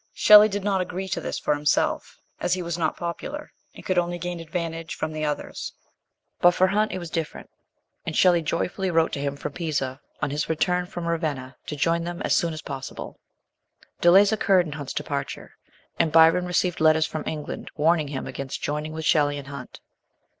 Shelley did not agree to this for himself, as he was not popular, and could only gain advantage from the others; but for Hunt it was different, and Shelley joyfully wrote to him from Pisa, on his return from Ravenna, to join them as soon as possible. Delays occurred in Hunt's departure, and Byron received letters from England warning him against joining with Shelley and Hunt.